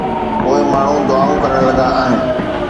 پوءِ ماڻهو دعائون ڪرڻ لڳندا آهن.